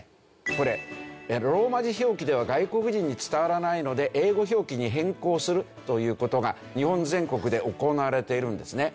これローマ字表記では外国人に伝わらないので英語表記に変更するという事が日本全国で行われているんですね。